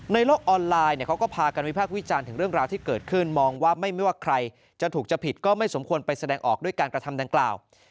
โลกออนไลน์เขาก็พากันวิพากษ์วิจารณ์ถึงเรื่องราวที่เกิดขึ้นมองว่าไม่ว่าใครจะถูกจะผิดก็ไม่สมควรไปแสดงออกด้วยการกระทำดังกล่าว